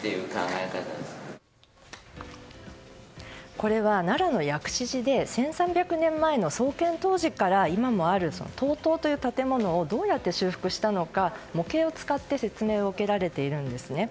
これは奈良の薬師寺で１３００年前の創建当時から今もある東塔という建物をどうやって修復したのか模型を使って説明を受けられているんですね。